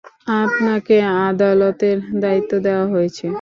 আপনাকে আদালতের দায়িত্ব দেওয়া হয়েছে।